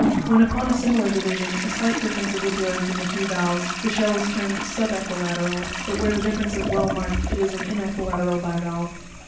When upon a similar division, a slight difference is observed in the two valves, the shell is termed subequilateral ; but where the difference is well marked, it is an énequilateral bivalve (fig.